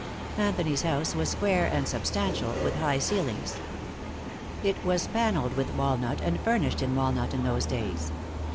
Anthony's house was square and substantial, with high ceilings. It was paneled with walnut and furnished in walnut, in those days.